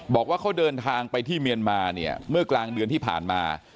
บอกว่าเขาเดินทางไปที่เมียนมาเนี่ยเมื่อกลางเดือนที่ผ่านมา